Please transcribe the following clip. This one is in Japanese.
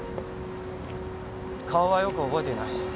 顔はよく覚えていない。